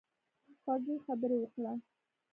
خوږې خبرې وکړه.